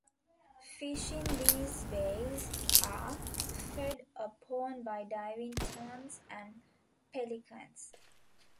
Fish in these bays are fed upon by diving terns and pelicans.